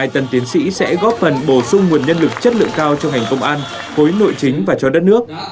hai mươi hai tần tiến sĩ sẽ góp phần bổ sung nguồn nhân lực chất lượng cao cho hành công an hối nội chính và cho đất nước